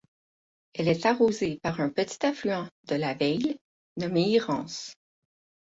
Elle est arrosée par un petit affluent de la Veyle nommé Irance.